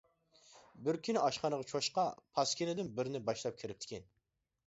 بىر كۈنى ئاشخانىغا چوشقا پاسكىنىدىن بىرنى باشلاپ كىرىپتىكەن!